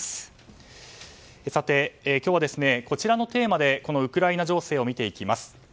今日は、こちらのテーマでウクライナ情勢を見ていきます。